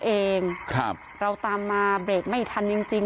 อ้าวก็รถคันที่เสียชีวิตเขาล้มเองครับเราตามมาเบรกไม่ทันจริงจริง